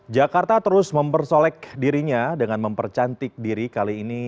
jakarta terus mempersolek dirinya dengan mempercantik diri kali ini